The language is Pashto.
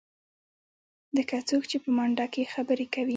لکه څوک چې په منډه کې خبرې کوې.